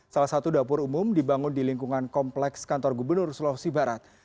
salah satu dapur umum dibangun di lingkungan kompleks kantor gubernur sulawesi barat